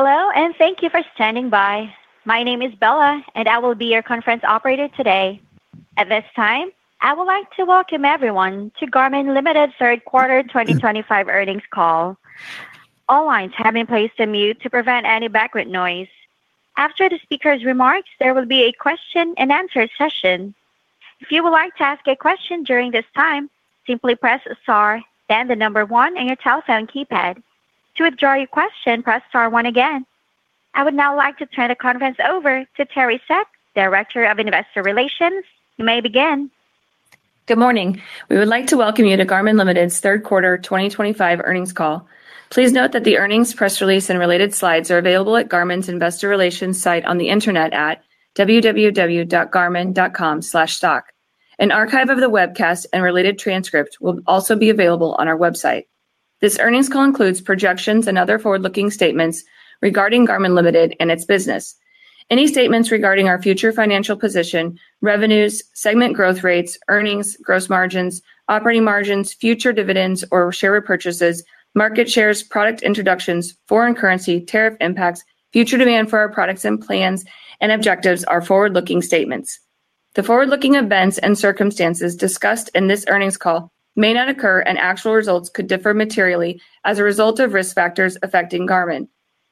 Hello, and thank you for standing by. My name is Bella, and I will be your conference operator today. At this time, I would like to welcome everyone to Garmin Ltd.'s third quarter 2025 earnings call. All lines have been placed on mute to prevent any background noise. After the speaker's remarks, there will be a question and answer session. If you would like to ask a question during this time, simply press star then the number one on your telephone keypad. To withdraw your question, press star one again. I would now like to turn the conference over to Teri Seck, Director of Investor Relations. You may begin. Good morning. We would like to welcome you to Garmin Ltd.'s third quarter 2025 earnings call. Please note that the earnings press release and related slides are available at Garmin's investor relations site on the internet at www.garmin.com/stock. An archive of the webcast and related transcripts will also be available on our website. This earnings call includes projections and other forward-looking statements regarding Garmin Ltd. and its business. Any statements regarding our future financial position, revenues, segment growth rates, earnings, gross margins, operating margins, future dividends or share repurchases, market shares, product introductions, foreign currency, tariff impacts, future demand for our products and plans, and objectives are forward-looking statements. The forward-looking events and circumstances discussed in this earnings call may not occur, and actual results could differ materially as a result of risk factors affecting Garmin.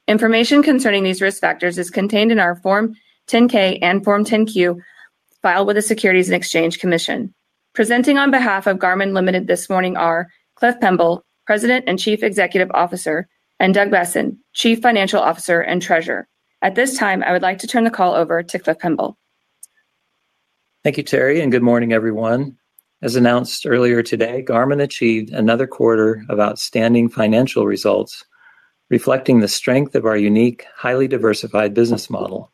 Information concerning these risk factors is contained in our Form 10-K and Form 10-Q filed with the Securities and Exchange Commission. Presenting on behalf of Garmin Ltd. this morning are Cliff Pemble, President and Chief Executive Officer, and Doug Boessen, Chief Financial Officer and Treasurer. At this time, I would like to turn the call over to Cliff Pemble. Thank you, Teri, and good morning, everyone. As announced earlier today, Garmin achieved another quarter of outstanding financial results, reflecting the strength of our unique, highly diversified business model.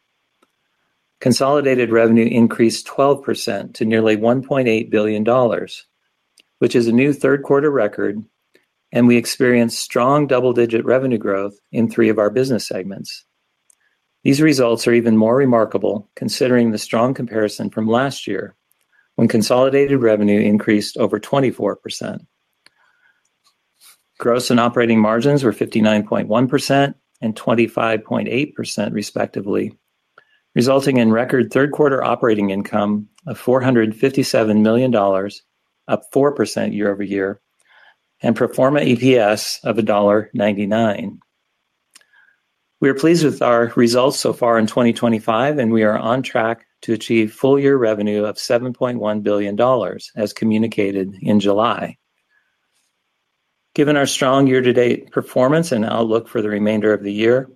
Consolidated revenue increased 12% to nearly $1.8 billion, which is a new third-quarter record, and we experienced strong double-digit revenue growth in three of our business segments. These results are even more remarkable considering the strong comparison from last year, when consolidated revenue increased over 24%. Gross and operating margins were 59.1% and 25.8% respectively, resulting in record third-quarter operating income of $457 million, up 4% year-over-year, and a pro forma EPS of $1.99. We are pleased with our results so far in 2025, and we are on track to achieve full-year revenue of $7.1 billion, as communicated in July. Given our strong year-to-date performance and outlook for the remainder of the year,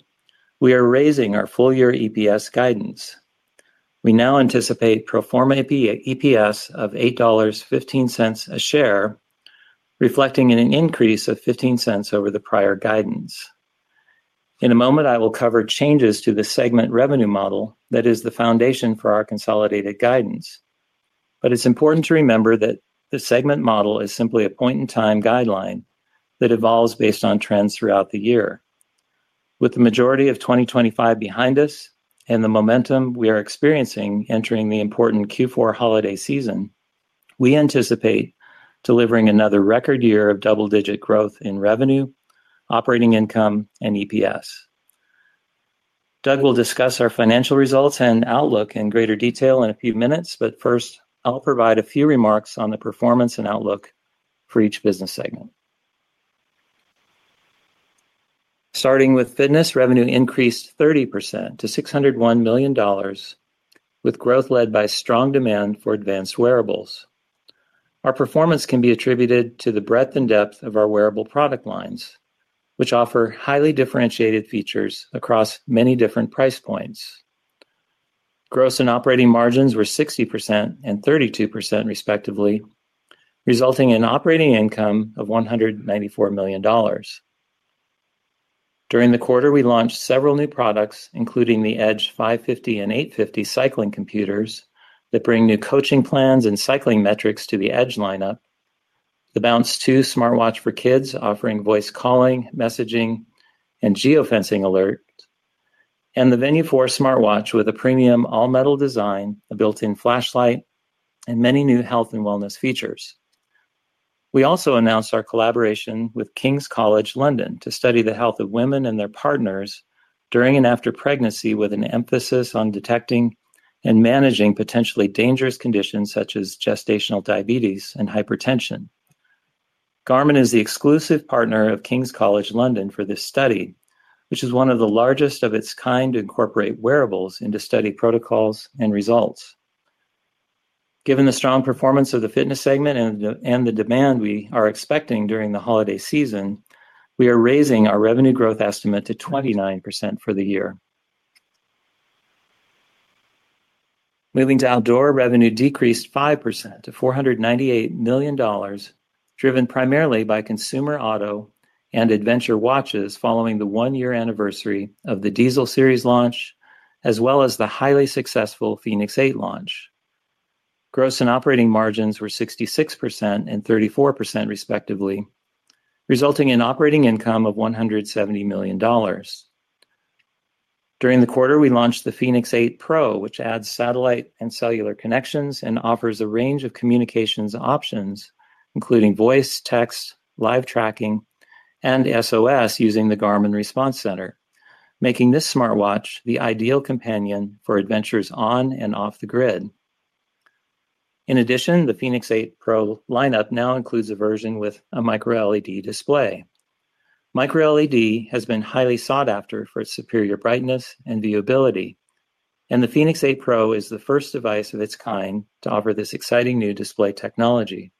we are raising our full-year EPS guidance. We now anticipate a pro forma EPS of $8.15 a share, reflecting an increase of $0.15 over the prior guidance. In a moment, I will cover changes to the segment revenue model that is the foundation for our consolidated guidance, but it's important to remember that the segment model is simply a point-in-time guideline that evolves based on trends throughout the year. With the majority of 2025 behind us and the momentum we are experiencing entering the important Q4 holiday season, we anticipate delivering another record year of double-digit growth in revenue, operating income, and EPS. Doug will discuss our financial results and outlook in greater detail in a few minutes, but first, I'll provide a few remarks on the performance and outlook for each business segment. Starting with fitness, revenue increased 30% to $601 million, with growth led by strong demand for advanced wearables. Our performance can be attributed to the breadth and depth of our wearable product lines, which offer highly differentiated features across many different price points. Gross and operating margins were 60% and 32% respectively, resulting in operating income of $194 million. During the quarter, we launched several new products, including the Edge 550 and Edge 850 cycling computers that bring new coaching plans and cycling metrics to the Edge lineup, the Bounce 2 smartwatch for kids offering voice calling, messaging, and geofencing alerts, and the Venu 4 smartwatch with a premium all-metal design, a built-in flashlight, and many new health and wellness features. We also announced our collaboration with King's College London to study the health of women and their partners during and after pregnancy, with an emphasis on detecting and managing potentially dangerous conditions such as gestational diabetes and hypertension. Garmin is the exclusive partner of King's College London for this study, which is one of the largest of its kind to incorporate wearables into study protocols and results. Given the strong performance of the fitness segment and the demand we are expecting during the holiday season, we are raising our revenue growth estimate to 29% for the year. Moving to outdoor, revenue decreased 5% to $498 million, driven primarily by consumer auto and adventure watches following the one-year anniversary of the Diesel Series launch, as well as the highly successful fēnix 8 launch. Gross and operating margins were 66% and 34% respectively, resulting in operating income of $170 million. During the quarter, we launched the fēnix 8 Pro, which adds satellite and cellular connections and offers a range of communications options, including voice, text, live tracking, and SOS using the Garmin Response Center, making this smartwatch the ideal companion for adventures on and off the grid. In addition, the fēnix 8 Pro lineup now includes a version with a micro-LED display. Micro-LED has been highly sought after for its superior brightness and viewability, and the fēnix 8 Pro is the first device of its kind to offer this exciting new display technology.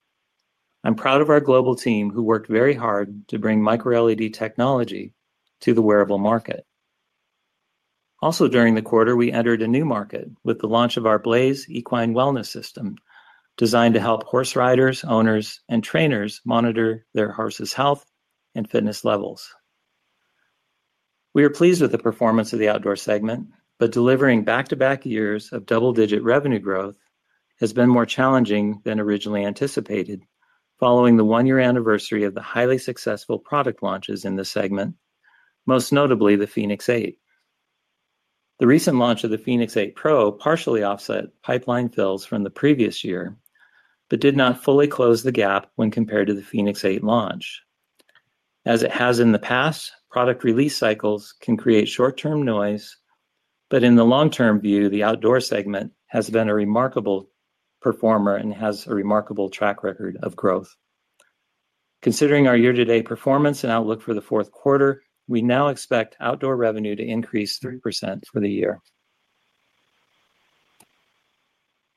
I'm proud of our global team who worked very hard to bring micro-LED technology to the wearable market. Also, during the quarter, we entered a new market with the launch of our Blaze Equine Wellness System, designed to help horse riders, owners, and trainers monitor their horse's health and fitness levels. We are pleased with the performance of the outdoor segment, but delivering back-to-back years of double-digit revenue growth has been more challenging than originally anticipated following the one-year anniversary of the highly successful product launches in this segment, most notably the fēnix 8. The recent launch of the fēnix 8 Pro partially offset pipeline fills from the previous year, but did not fully close the gap when compared to the fēnix 8 launch. As it has in the past, product release cycles can create short-term noise, but in the long-term view, the outdoor segment has been a remarkable performer and has a remarkable track record of growth. Considering our year-to-date performance and outlook for the fourth quarter, we now expect outdoor revenue to increase 3% for the year.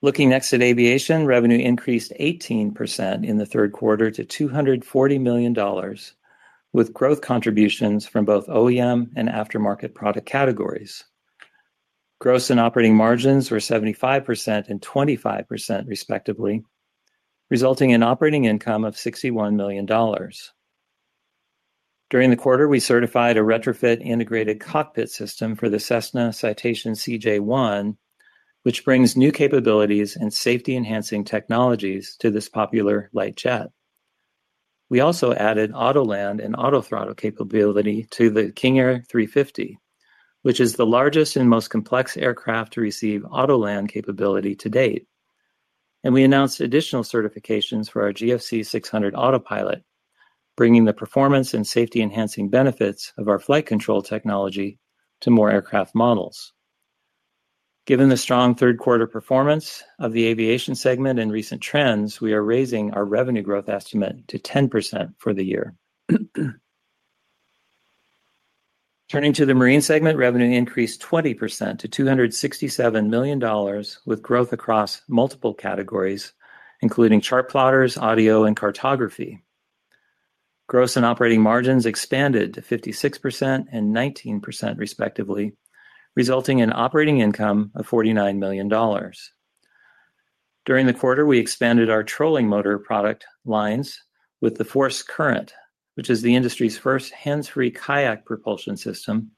Looking next at aviation, revenue increased 18% in the third quarter to $240 million, with growth contributions from both OEM and aftermarket product categories. Gross and operating margins were 75% and 25% respectively, resulting in operating income of $61 million. During the quarter, we certified a retrofit integrated cockpit system for the Cessna Citation CJ1, which brings new capabilities and safety-enhancing technologies to this popular light jet. We also added auto land and auto throttle capability to the King Air 350, which is the largest and most complex aircraft to receive auto land capability to date. We announced additional certifications for our GFC 600 autopilot, bringing the performance and safety-enhancing benefits of our flight control technology to more aircraft models. Given the strong third-quarter performance of the aviation segment and recent trends, we are raising our revenue growth estimate to 10% for the year. Turning to the marine segment, revenue increased 20% to $267 million, with growth across multiple categories, including chart plotters, audio, and cartography. Gross and operating margins expanded to 56% and 19% respectively, resulting in operating income of $49 million. During the quarter, we expanded our trolling motor product lines with the Force Current, which is the industry's first hands-free kayak propulsion system,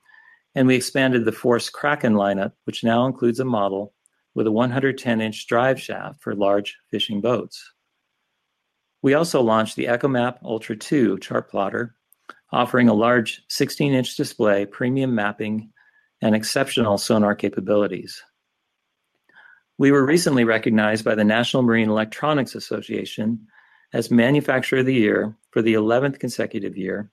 and we expanded the Force Kraken lineup, which now includes a model with a 110-inch drive shaft for large fishing boats. We also launched the ECHOMAP Ultra 2 chart plotter, offering a large 16-inch display, premium mapping, and exceptional sonar capabilities. We were recently recognized by the National Marine Electronics Association as Manufacturer of the Year for the 11th consecutive year,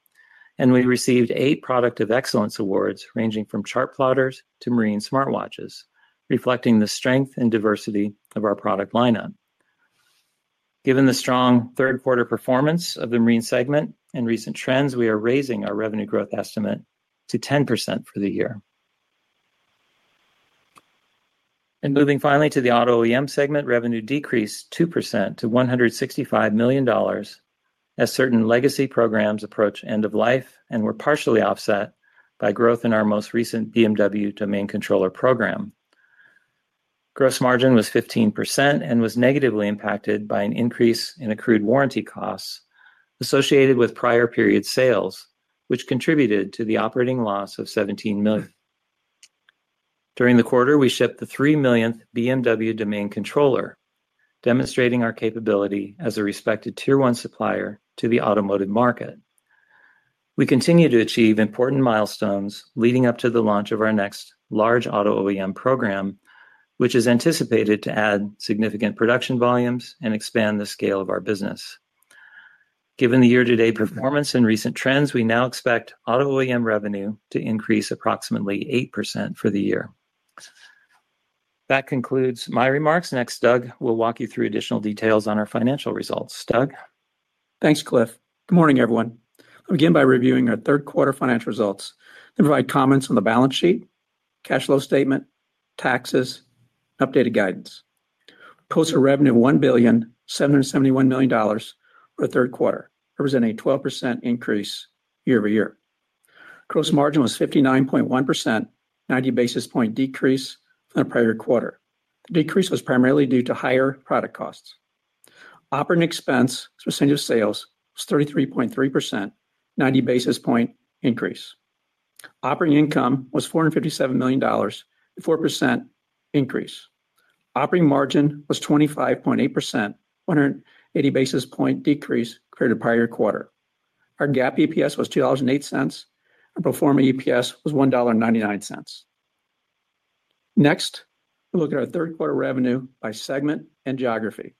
and we received eight Product of Excellence awards, ranging from chart plotters to marine smartwatches, reflecting the strength and diversity of our product lineup. Given the strong third-quarter performance of the marine segment and recent trends, we are raising our revenue growth estimate to 10% for the year. Moving finally to the auto OEM segment, revenue decreased 2% to $165 million, as certain legacy programs approach end of life and were partially offset by growth in our most recent BMW Domain Controller program. Gross margin was 15% and was negatively impacted by an increase in accrued warranty costs associated with prior period sales, which contributed to the operating loss of $17 million. During the quarter, we shipped the three millionth BMW Domain Controller, demonstrating our capability as a respected Tier 1 supplier to the automotive market. We continue to achieve important milestones leading up to the launch of our next large auto OEM program, which is anticipated to add significant production volumes and expand the scale of our business. Given the year-to-date performance and recent trends, we now expect auto OEM revenue to increase approximately 8% for the year. That concludes my remarks. Next, Doug will walk you through additional details on our financial results. Doug? Thanks, Cliff. Good morning, everyone. I'll begin by reviewing our third-quarter financial results and provide comments on the balance sheet, cash flow statement, taxes, and updated guidance. Gross revenue was $1,771 million for the third quarter, representing a 12% increase year-over-year. Gross margin was 59.1%, a 90 basis point decrease from the prior quarter. The decrease was primarily due to higher product costs. Operating expense percentage of sales was 33.3%, a 90 basis point increase. Operating income was $457 million, a 4% increase. Operating margin was 25.8%, a 180 basis point decrease compared to the prior quarter. Our GAAP EPS was $2.08, and pro forma EPS was $1.99. Next, we look at our third-quarter revenue by segment and geography.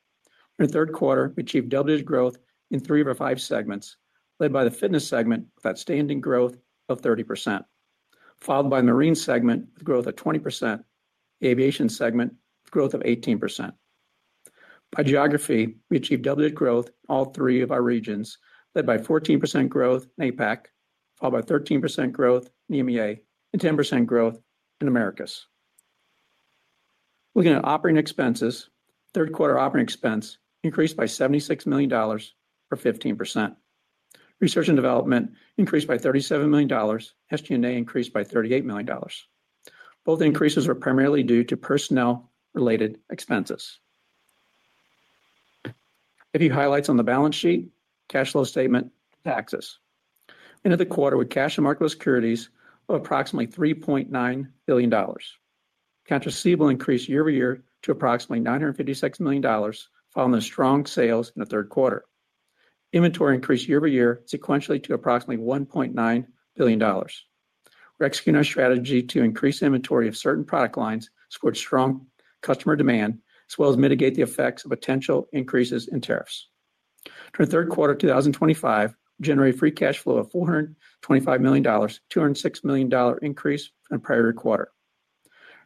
In the third quarter, we achieved double-digit growth in three of our five segments, led by the fitness segment with outstanding growth of 30%, followed by the marine segment with growth of 20%, and the aviation segment with growth of 18%. By geography, we achieved double-digit growth in all three of our regions, led by 14% growth in APAC, followed by 13% growth in EMEA, and 10% growth in Americas. Looking at operating expenses, third-quarter operating expense increased by $76 million or 15%. Research and development increased by $37 million, and SG&A increased by $38 million. Both increases were primarily due to personnel-related expenses. A few highlights on the balance sheet, cash flow statement, and taxes. End of the quarter with cash and marketable securities of approximately $3.9 billion. Accounts receivable increased year-over-year to approximately $956 million, following the strong sales in the third quarter. Inventory increased year-over-year sequentially to approximately $1.9 billion. We're executing our strategy to increase inventory of certain product lines that scored strong customer demand, as well as mitigate the effects of potential increases in tariffs. During the third quarter of 2025, we generated free cash flow of $425 million, a $206 million increase from the prior quarter.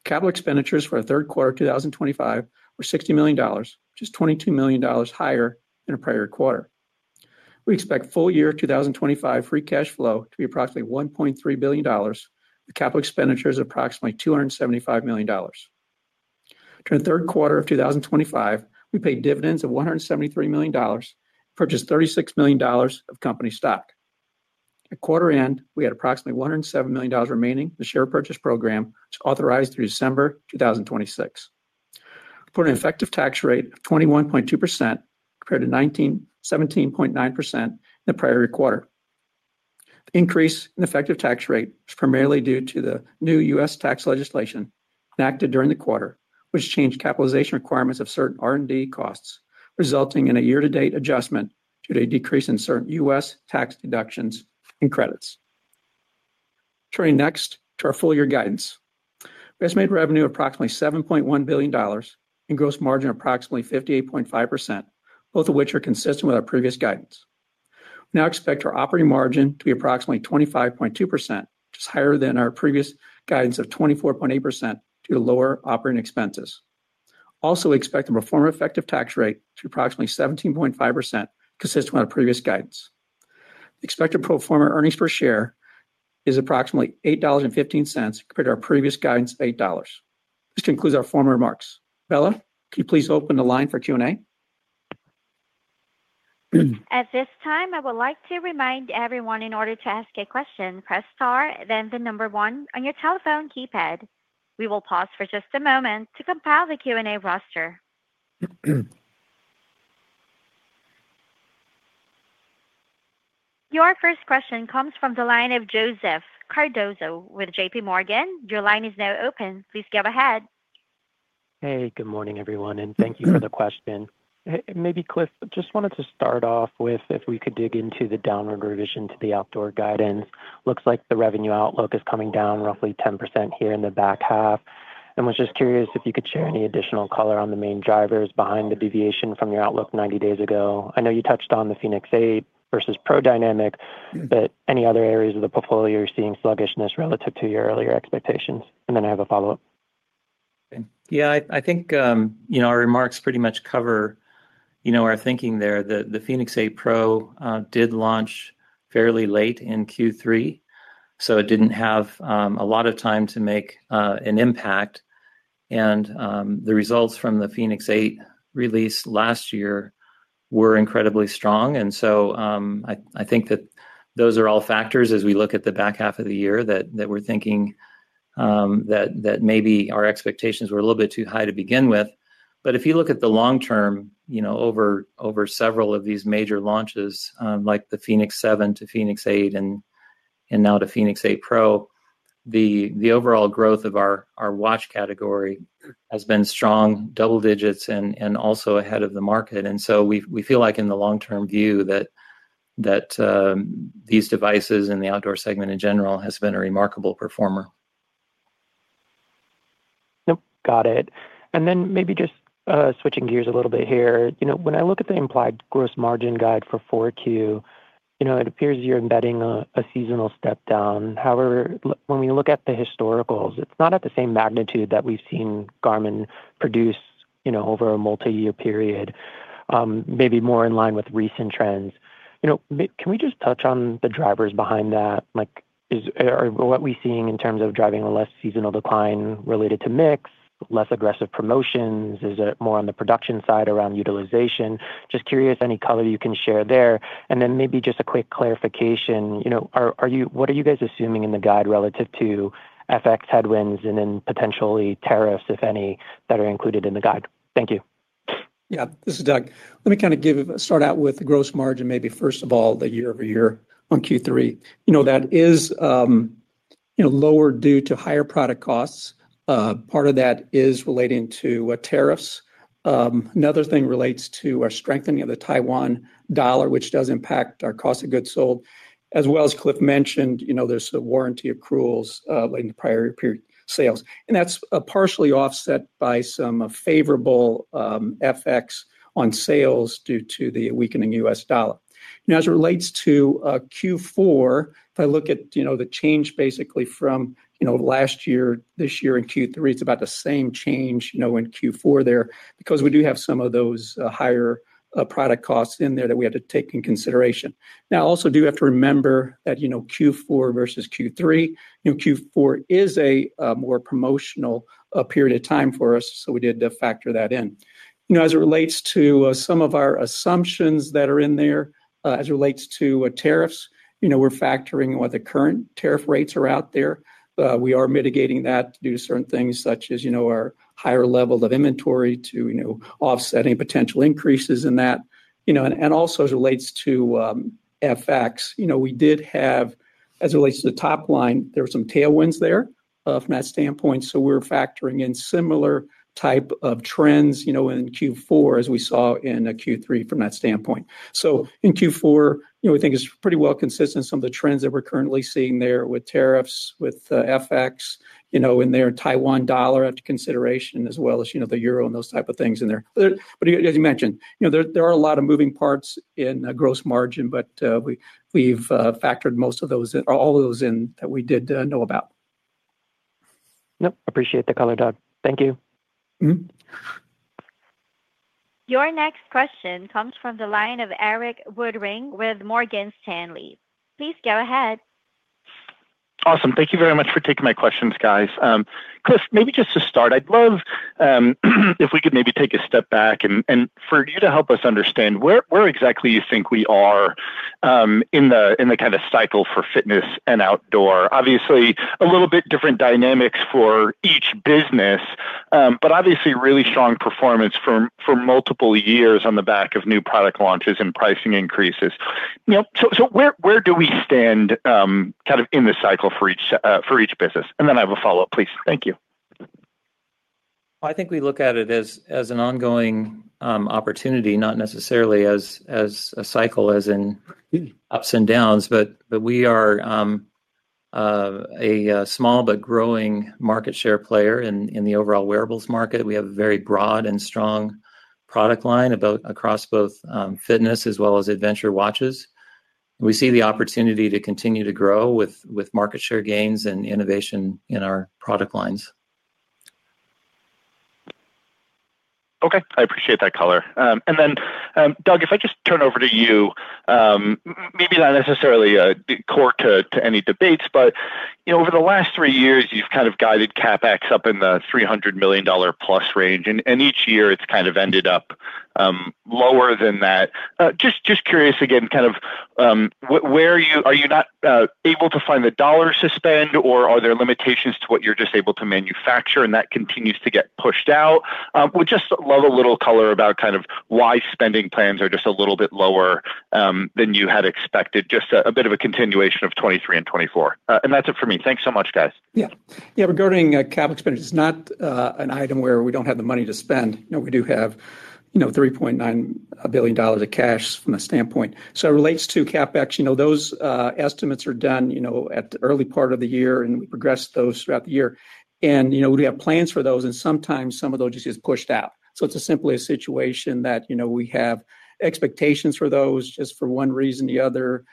Capital expenditures for the third quarter of 2025 were $60 million, which is $22 million higher than the prior quarter. We expect full-year 2025 free cash flow to be approximately $1.3 billion, with capital expenditures of approximately $275 million. During the third quarter of 2025, we paid dividends of $173 million and purchased $36 million of company stock. At quarter end, we had approximately $107 million remaining in the share purchase program, which is authorized through December 2026. We reported an effective tax rate of 21.2% compared to 17.9% in the prior quarter. The increase in effective tax rate was primarily due to the new U.S. tax legislation enacted during the quarter, which changed capitalization requirements of certain R&D costs, resulting in a year-to-date adjustment due to a decrease in certain U.S. tax deductions and credits. Turning next to our full-year guidance, we estimated revenue of approximately $7.1 billion and gross margin of approximately 58.5%, both of which are consistent with our previous guidance. We now expect our operating margin to be approximately 25.2%, which is higher than our previous guidance of 24.8% due to lower operating expenses. Also, we expect the pro forma effective tax rate to be approximately 17.5%, consistent with our previous guidance. The expected pro forma earnings per share is approximately $8.15 compared to our previous guidance of $8. This concludes our formal remarks. Bella, could you please open the line for Q&A? At this time, I would like to remind everyone, in order to ask a question, press star then the number one on your telephone keypad. We will pause for just a moment to compile the Q&A roster. Your first question comes from the line of Joseph Cardoso with JPMorgan. Your line is now open. Please go ahead. Hey, good morning, everyone, and thank you for the question. Maybe, Cliff, just wanted to start off with if we could dig into the downward revision to the outdoor guidance. Looks like the revenue outlook is coming down roughly 10% here in the back half. I was just curious if you could share any additional color on the main drivers behind the deviation from your outlook 90 days ago. I know you touched on the fēnix 8 pro versus Pro Dynamic, but any other areas of the portfolio you're seeing sluggishness relative to your earlier expectations? I have a follow-up. Yeah, I think our remarks pretty much cover our thinking there. The fēnix 8 Pro did launch fairly late in Q3, so it didn't have a lot of time to make an impact. The results from the fēnix 8 release last year were incredibly strong. I think that those are all factors as we look at the back half of the year, and we're thinking that maybe our expectations were a little bit too high to begin with. If you look at the long-term over several of these major launches, like the fēnix 7 to fēnix 8 and now the fēnix 8 Pro, the overall growth of our watch category has been strong, double digits, and also ahead of the market. We feel like in the long-term view that these devices and the outdoor segment in general has been a remarkable performer. Got it. Maybe just switching gears a little bit here. When I look at the implied gross margin guide for 4Q, it appears you're embedding a seasonal step down. However, when we look at the historicals, it's not at the same magnitude that we've seen Garmin produce over a multi-year period, maybe more in line with recent trends. Can we just touch on the drivers behind that? Are what we're seeing in terms of driving a less seasonal decline related to mix, less aggressive promotions? Is it more on the production side around utilization? Just curious any color you can share there. Maybe just a quick clarification. What are you guys assuming in the guide relative to FX headwinds and then potentially tariffs, if any, that are included in the guide? Thank you. Yeah, this is Doug. Let me kind of give a start out with the gross margin, maybe first of all, the year-over-year on Q3. That is lower due to higher product costs. Part of that is relating to tariffs. Another thing relates to our strengthening of the Taiwan dollar, which does impact our cost of goods sold. As well as Cliff mentioned, there's warranty accruals relating to prior year sales. That's partially offset by some favorable FX on sales due to the weakening US dollar. As it relates to Q4, if I look at the change basically from last year to this year in Q3, it's about the same change in Q4 there because we do have some of those higher product costs in there that we had to take into consideration. I also do have to remember that Q4 versus Q3, Q4 is a more promotional period of time for us, so we did factor that in. As it relates to some of our assumptions that are in there, as it relates to tariffs, we're factoring what the current tariff rates are out there. We are mitigating that due to certain things such as our higher levels of inventory to offset any potential increases in that. Also as it relates to FX, we did have, as it relates to the top line, there were some tailwinds there from that standpoint. We're factoring in similar type of trends in Q4 as we saw in Q3 from that standpoint. In Q4, we think it's pretty well consistent with some of the trends that we're currently seeing there with tariffs, with FX in there, and Taiwan dollar after consideration, as well as the euro and those types of things in there. As you mentioned, there are a lot of moving parts in gross margin, but we've factored most of those in, all of those in that we did know about. Yep, appreciate the color, Doug. Thank you. Your next question comes from the line of Erik Woodring with Morgan Stanley. Please go ahead. Awesome. Thank you very much for taking my questions, guys. Cliff, maybe just to start, I'd love if we could maybe take a step back and for you to help us understand where exactly you think we are in the kind of cycle for fitness and outdoor. Obviously, a little bit different dynamics for each business, but obviously really strong performance for multiple years on the back of new product launches and pricing increases. Where do we stand kind of in the cycle for each business? I have a follow-up, please. Thank you. I think we look at it as an ongoing opportunity, not necessarily as a cycle as in ups and downs. We are a small but growing market share player in the overall wearables market. We have a very broad and strong product line across both fitness as well as adventure watches. We see the opportunity to continue to grow with market share gains and innovation in our product lines. OK, I appreciate that color. Doug, if I just turn over to you, maybe not necessarily a core to any debates, but over the last three years, you've kind of guided CapEx up in the $300 million+ range. Each year, it's kind of ended up lower than that. Just curious again, are you not able to find the dollars to spend, or are there limitations to what you're just able to manufacture and that continues to get pushed out? I'd just love a little color about why spending plans are just a little bit lower than you had expected, just a bit of a continuation of 2023 and 2024. That's it for me. Thanks so much, guys. Regarding CapEx spend, it's not an item where we don't have the money to spend. We do have $3.9 billion of cash from a standpoint. It relates to CapEx. Those estimates are done at the early part of the year, and we progress those throughout the year. We have plans for those, and sometimes some of those just get pushed out. It's simply a situation that we have expectations for those, just for one reason or the other,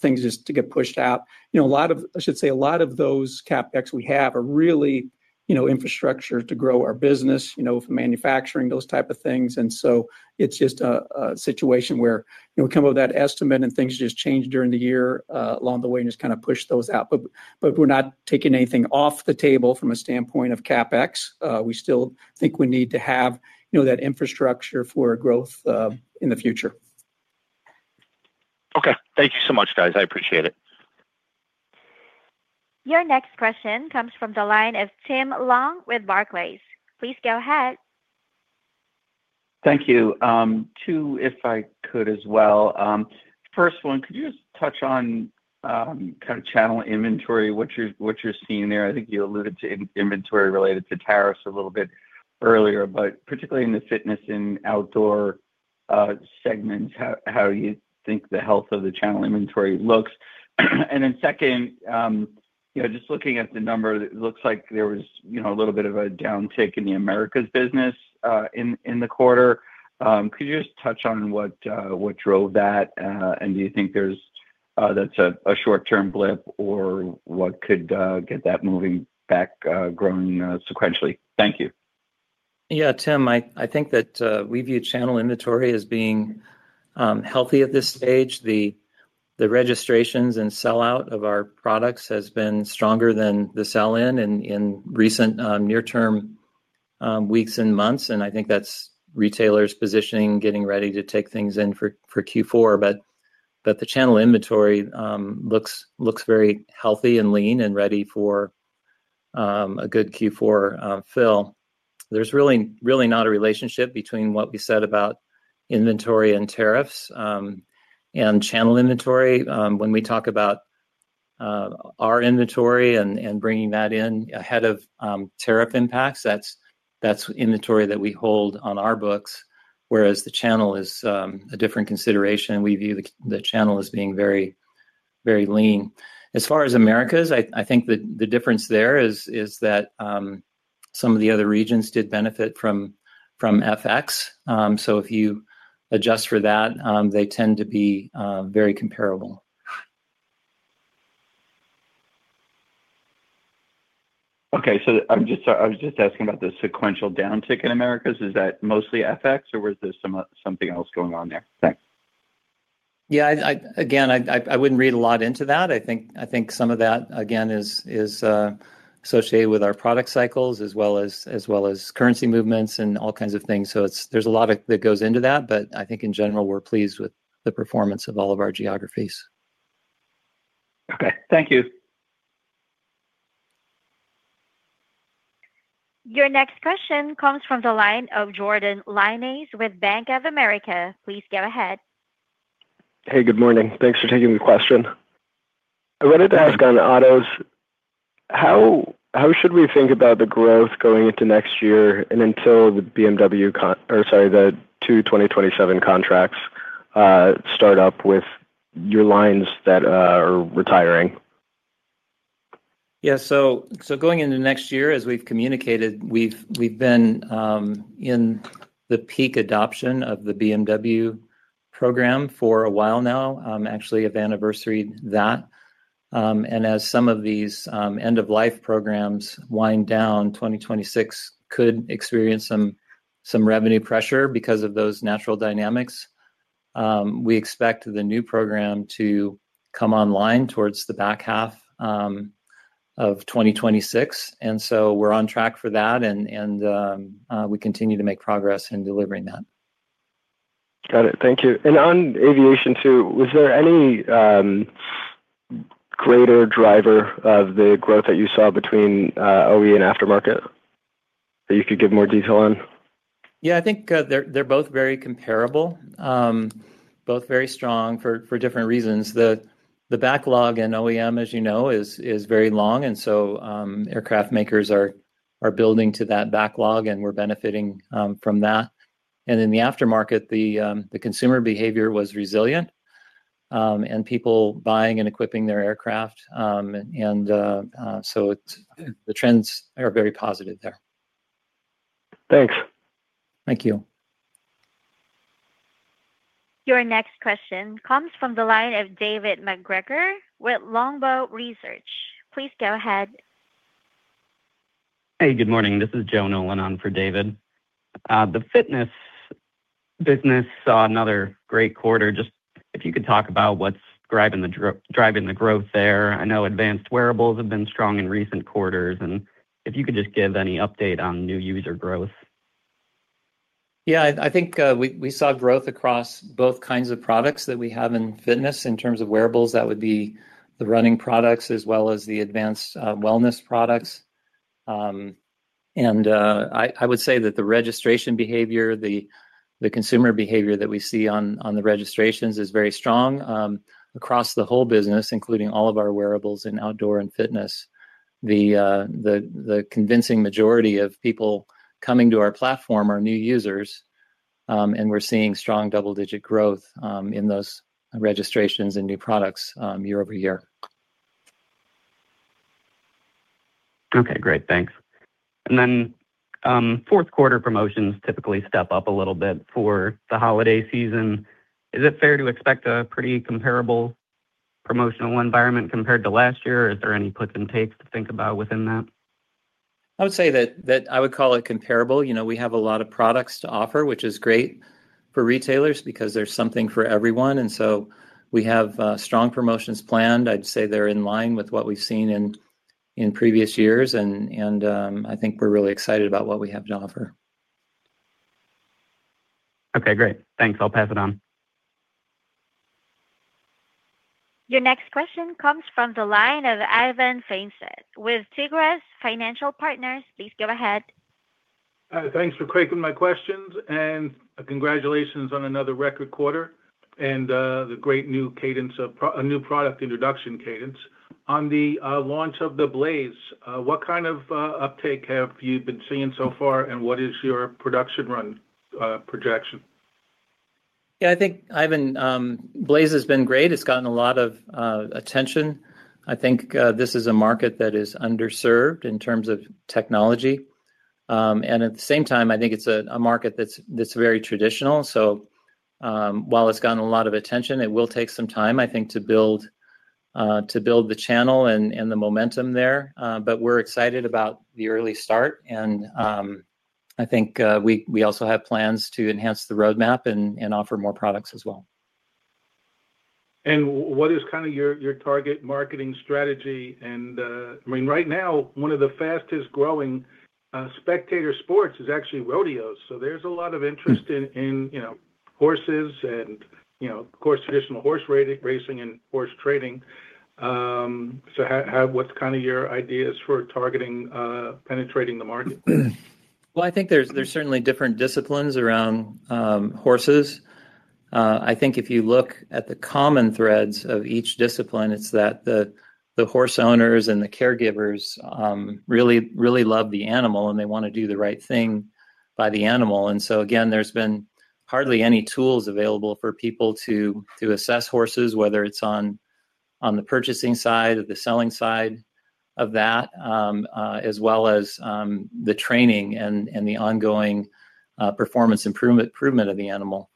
things just get pushed out. I should say a lot of those CapEx we have are really infrastructure to grow our business for manufacturing, those types of things. It's just a situation where we come up with that estimate and things just change during the year along the way and just kind of push those out. We're not taking anything off the table from a standpoint of CapEx. We still think we need to have that infrastructure for growth in the future. OK, thank you so much, guys. I appreciate it. Your next question comes from the line of Tim Long with Barclays. Please go ahead. Thank you. Two, if I could as well. First one, could you just touch on kind of channel inventory, what you're seeing there? I think you alluded to inventory related to tariffs a little bit earlier, but particularly in the fitness and outdoor segments, how do you think the health of the channel inventory looks? Second, just looking at the number, it looks like there was a little bit of a downtick in the Americas business in the quarter. Could you just touch on what drove that, and do you think that's a short-term blip, or what could get that moving back, growing sequentially? Thank you. Yeah, Tim, I think that we view channel inventory as being healthy at this stage. The registrations and sell-out of our products has been stronger than the sell-in in recent near-term weeks and months. I think that's retailers positioning, getting ready to take things in for Q4. The channel inventory looks very healthy and lean and ready for a good Q4 fill. There's really not a relationship between what we said about inventory and tariffs and channel inventory. When we talk about our inventory and bringing that in ahead of tariff impacts, that's inventory that we hold on our books, whereas the channel is a different consideration. We view the channel as being very lean. As far as Americas, I think the difference there is that some of the other regions did benefit from FX. If you adjust for that, they tend to be very comparable. OK, I was just asking about the sequential downtick in Americas. Is that mostly FX, or was there something else going on there? Thanks. I wouldn't read a lot into that. I think some of that is associated with our product cycles, as well as currency movements and all kinds of things. There's a lot that goes into that. I think in general, we're pleased with the performance of all of our geographies. OK, thank you. Your next question comes from the line of Jordan Lyonnais with Bank of America. Please go ahead. Hey, good morning. Thanks for taking the question. I wanted to ask on autos, how should we think about the growth going into next year until the BMW, or sorry, the 2027 contracts start up with your lines that are retiring? Going into next year, as we've communicated, we've been in the peak adoption of the BMW program for a while now, actually have anniversaried that. As some of these end-of-life programs wind down, 2026 could experience some revenue pressure because of those natural dynamics. We expect the new program to come online towards the back half of 2026, so we're on track for that, and we continue to make progress in delivering that. Thank you. On aviation too, was there any greater driver of the growth that you saw between OEM and aftermarket that you could give more detail on? I think they're both very comparable, both very strong for different reasons. The backlog in OEM, as you know, is very long, and aircraft makers are building to that backlog, and we're benefiting from that. In the aftermarket, the consumer behavior was resilient, and people buying and equipping their aircraft, so the trends are very positive there. Thanks. Thank you. Your next question comes from the line of David McGregor with Longbow Research. Please go ahead. Good morning. This is Joe Nolan for David. The fitness business saw another great quarter. If you could talk about what's driving the growth there. I know advanced wearables have been strong in recent quarters. If you could just give any update on new user growth. I think we saw growth across both kinds of products that we have in fitness. In terms of wearables, that would be the running products as well as the advanced wellness products. I would say that the registration behavior, the consumer behavior that we see on the registrations is very strong across the whole business, including all of our wearables in outdoor and fitness. The convincing majority of people coming to our platform are new users, and we're seeing strong double-digit growth in those registrations and new products year-over-year. OK, great. Thanks. Fourth quarter promotions typically step up a little bit for the holiday season. Is it fair to expect a pretty comparable promotional environment compared to last year? Is there any puts and takes to think about within that? I would say that I would call it comparable. We have a lot of products to offer, which is great for retailers because there's something for everyone. We have strong promotions planned. I'd say they're in line with what we've seen in previous years, and I think we're really excited about what we have to offer. OK, great. Thanks. I'll pass it on. Your next question comes from the line of Ivan Feinseth with Tigress Financial Partners. Please go ahead. Thanks for taking my questions, and congratulations on another record quarter and the great new cadence of a new product introduction cadence. On the launch of the Blaze, what kind of uptake have you been seeing so far, and what is your production run projection? Yeah, I think Blaze has been great. It's gotten a lot of attention. I think this is a market that is underserved in terms of technology. At the same time, I think it's a market that's very traditional. While it's gotten a lot of attention, it will take some time, I think, to build the channel and the momentum there. We're excited about the early start, and I think we also have plans to enhance the roadmap and offer more products as well. What is kind of your target marketing strategy? I mean, right now, one of the fastest growing spectator sports is actually rodeos. There is a lot of interest in horses and, of course, traditional horse racing and horse trading. What is kind of your ideas for targeting penetrating the market? I think there's certainly different disciplines around horses. If you look at the common threads of each discipline, it's that the horse owners and the caregivers really, really love the animal, and they want to do the right thing by the animal. There's been hardly any tools available for people to assess horses, whether it's on the purchasing side or the selling side of that, as well as the training and the ongoing performance improvement of the animal.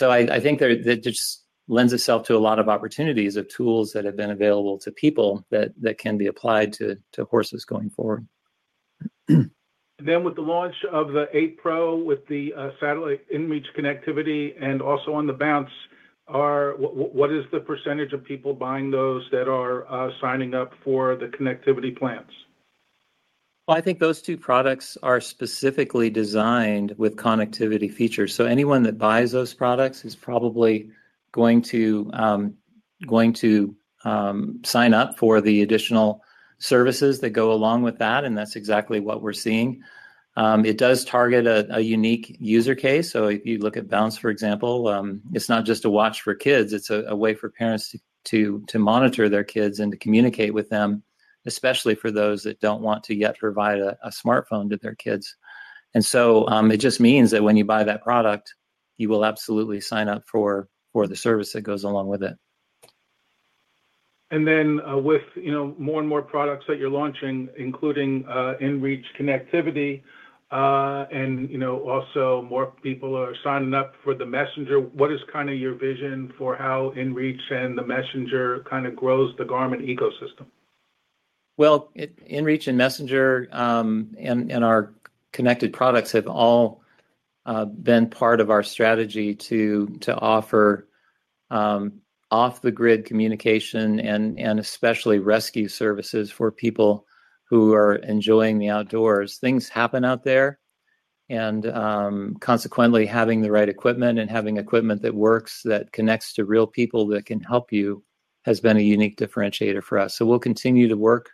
I think that just lends itself to a lot of opportunities of tools that have been available to people that can be applied to horses going forward. With the launch of the fēnix 8 Pro with the satellite inReach connectivity and also on the Bounce 2, what is the percent of people buying those that are signing up for the connectivity plans? I think those two products are specifically designed with connectivity features. Anyone that buys those products is probably going to sign up for the additional services that go along with that, and that's exactly what we're seeing. It does target a unique user case. If you look at Bounce, for example, it's not just a watch for kids. It's a way for parents to monitor their kids and to communicate with them, especially for those that don't want to yet provide a smartphone to their kids. It just means that when you buy that product, you will absolutely sign up for the service that goes along with it. With more and more products that you're launching, including inReach connectivity, and also more people are signing up for the Messenger, what is your vision for how inReach and the Messenger grow the Garmin ecosystem? Inreach and Messenger and our connected products have all been part of our strategy to offer off-the-grid communication and especially rescue services for people who are enjoying the outdoors. Things happen out there, and consequently, having the right equipment and having equipment that works, that connects to real people that can help you has been a unique differentiator for us. We will continue to work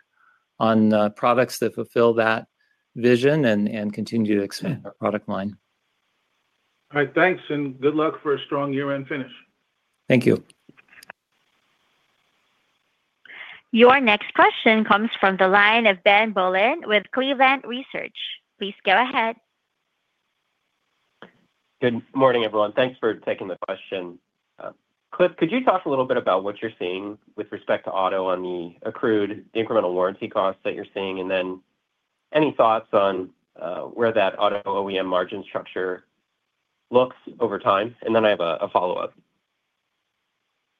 on products that fulfill that vision and continue to expand our product line. All right, thanks, and good luck for a strong year-end finish. Thank you. Your next question comes from the line of Ben Bollin with Cleveland Research. Please go ahead. Good morning, everyone. Thanks for taking the question. Cliff, could you talk a little bit about what you're seeing with respect to auto on the accrued incremental warranty costs that you're seeing, and any thoughts on where that auto OEM margin structure looks over time? I have a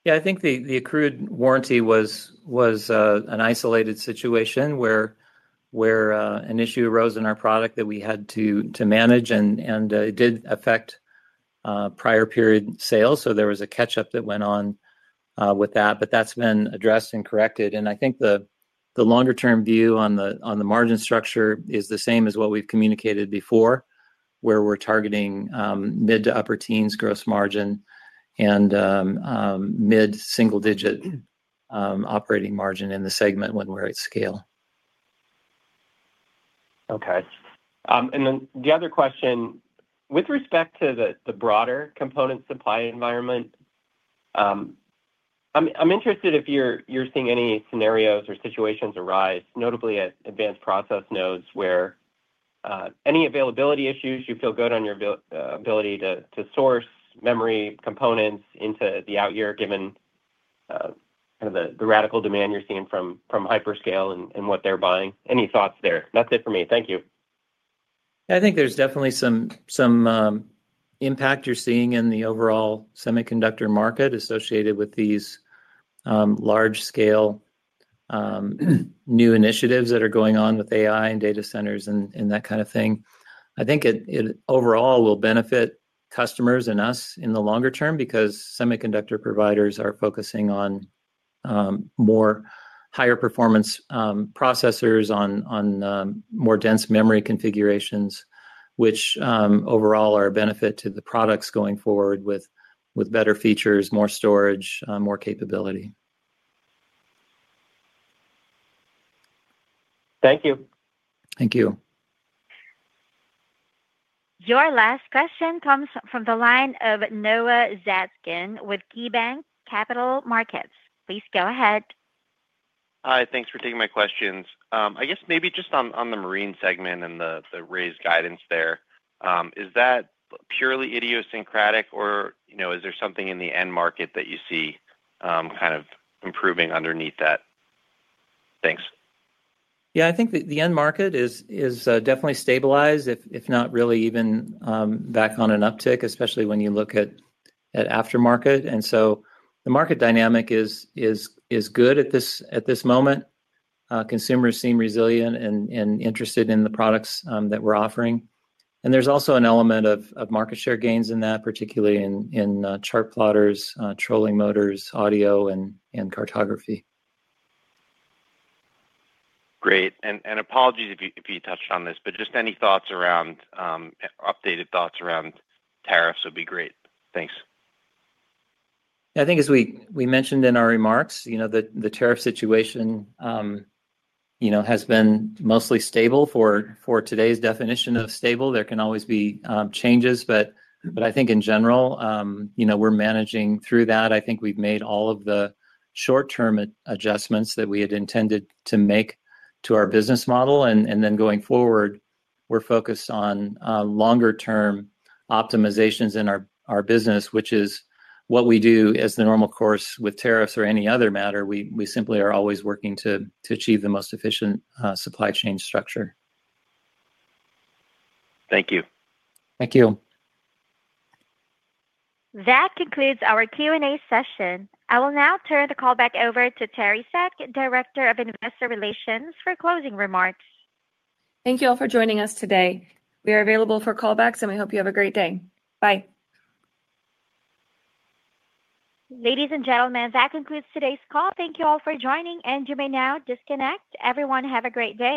follow-up. I think the accrued warranty was an isolated situation where an issue arose in our product that we had to manage, and it did affect prior period sales. There was a catch-up that went on with that, but that's been addressed and corrected. I think the longer-term view on the margin structure is the same as what we've communicated before, where we're targeting mid to upper teens gross margin and mid single-digit operating margin in the segment when we're at scale. OK. The other question, with respect to the broader component supply environment, I'm interested if you're seeing any scenarios or situations arise, notably at advanced process nodes, where any availability issues you feel good on your ability to source memory components into the out year, given kind of the radical demand you're seeing from hyperscale and what they're buying. Any thoughts there? That's it for me. Thank you. I think there's definitely some impact you're seeing in the overall semiconductor market associated with these large-scale new initiatives that are going on with AI and data centers and that kind of thing. I think it overall will benefit customers and us in the longer term because semiconductor providers are focusing on more higher-performance processors on more dense memory configurations, which overall are a benefit to the products going forward with better features, more storage, more capability. Thank you. Thank you. Your last question comes from the line of Noah Zatzkin with KeyBanc Capital Markets. Please go ahead. Hi, thanks for taking my questions. I guess maybe just on the marine segment and the raised guidance there, is that purely idiosyncratic, or is there something in the end market that you see kind of improving underneath that? Thanks. I think the end market is definitely stabilized, if not really even back on an uptick, especially when you look at aftermarket. The market dynamic is good at this moment. Consumers seem resilient and interested in the products that we're offering. There's also an element of market share gains in that, particularly in chart plotters, trolling motors, audio, and cartography. Great. Apologies if you touched on this, but just any thoughts around updated thoughts around tariffs would be great. Thanks. I think as we mentioned in our remarks, the tariff situation has been mostly stable for today's definition of stable. There can always be changes, but I think in general, we're managing through that. I think we've made all of the short-term adjustments that we had intended to make to our business model. Going forward, we're focused on longer-term optimizations in our business, which is what we do as the normal course with tariffs or any other matter. We simply are always working to achieve the most efficient supply chain structure. Thank you. Thank you. That concludes our Q&A session. I will now turn the call back over to Teri Seck, Director of Investor Relations, for closing remarks. Thank you all for joining us today. We are available for callbacks, and we hope you have a great day. Bye. Ladies and gentlemen, that concludes today's call. Thank you all for joining, and you may now disconnect. Everyone, have a great day.